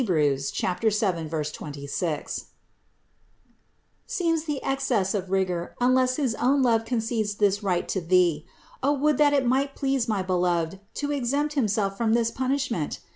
7, 26), seems the excess of rigor unless his own love concedes this right to thee. O would that it might please my Beloved to exempt Himself from this punishment!